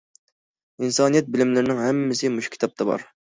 ئىنسانىيەت بىلىملىرىنىڭ ھەممىسى مۇشۇ كىتابتا بار.